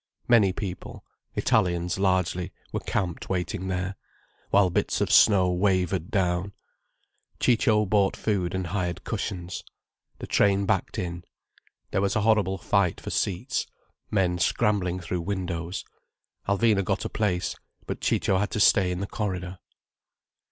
Many people, Italians, largely, were camped waiting there, while bits of snow wavered down. Ciccio bought food and hired cushions. The train backed in. There was a horrible fight for seats, men scrambling through windows. Alvina got a place—but Ciccio had to stay in the corridor.